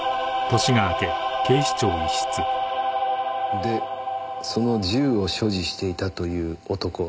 でその銃を所持していたという男は？